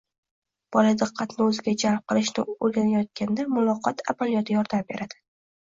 Bola diqqatni o‘ziga jalb qilishni o‘rganayotganda muloqot amaliyoti yordam beradi.